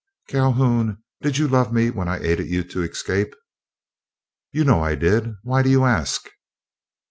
"Calhoun, did you love me when I aided you to escape?" "You know I did, why do you ask?"